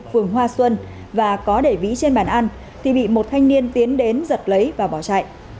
phường hoa xuân và có để vĩ trên bàn ăn thì bị một thanh niên tiến đến giật lấy và bỏ chạy